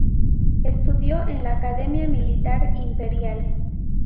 Estudió en la Academia Militar Imperial.